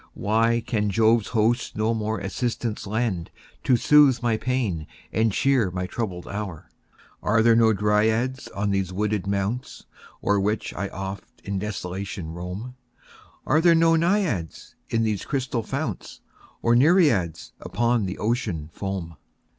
Why can Jove's host no more assistance lend, To soothe my pains, and cheer my troubled hour? Are there no Dryads on these wooded mounts O'er which I oft in desolation roam? Are there no Naiads in these crystal founts? Nor Nereids upon the Ocean foam?